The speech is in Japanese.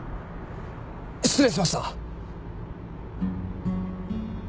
失礼しました！